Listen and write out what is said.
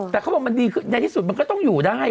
แต่เขาบอกมันดีคือในที่สุดมันก็ต้องอยู่ได้